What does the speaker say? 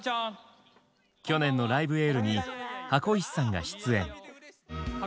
去年の「ライブ・エール」に箱石さんが出演。